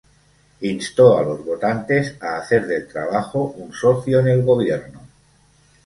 Instó a los votantes a "hacer del trabajo un socio en el gobierno".